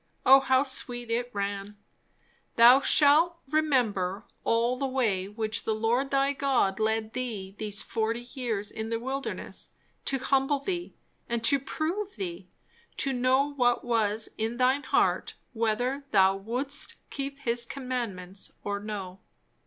O how sweet it ran! "Thou shalt remember all the way which the Lord thy God led thee these forty years in the wilderness, to humble thee, and to prove thee, to know what was in thine heart, whether thou wouldest keep his commandments or no.